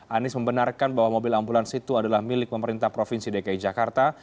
anies membenarkan bahwa mobil ambulans itu adalah milik pemerintah provinsi dki jakarta